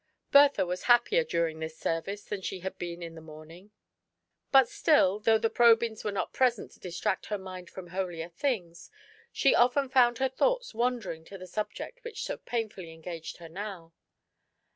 Bertha was happier during this service than she had been in the morning ; but still, though the Probyns were not present to distract her mind from holier things, she often found her thoughts wandering to the subject which so painfully engaged her now.